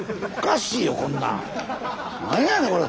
なんやねんこれ！